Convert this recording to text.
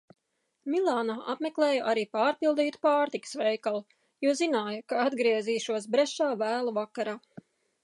Milānā apmeklēju arī pārpildītu pārtikas veikalu, jo zināju, ka atgriezīšos Brešā vēlu vakarā.